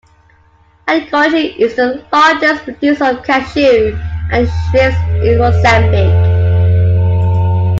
Angoche is the largest producer of cashew and shrimps in Mozambique.